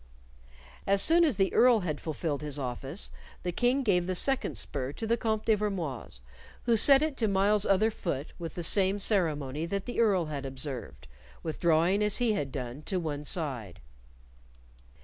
As soon as the Earl had fulfilled his office the King gave the second spur to the Comte de Vermoise, who set it to Myles's other foot with the same ceremony that the Earl had observed, withdrawing as he had done to one side.